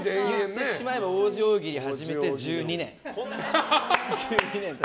言ってしまえば王子大喜利始めて１２年。